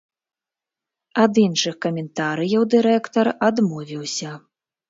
Ад іншых каментарыяў дырэктар адмовіўся.